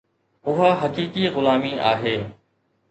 اها حقيقي غلامي آهي.